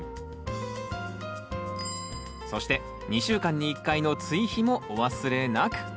そして２週間に１回の追肥もお忘れなく！